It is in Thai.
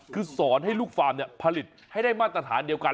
คือสอนให้ลูกฟาร์มผลิตให้ได้มาตรฐานเดียวกัน